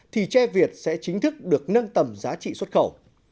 thì tre việt sẽ chính thức được nâng tầm giá trị xuất khẩu